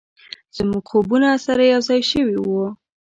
زموږ خوبونه سره یو ځای شوي و،